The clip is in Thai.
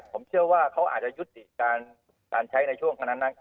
ผมเชื่อว่าเขาอาจจะยุติการใช้ในช่วงคนนั้น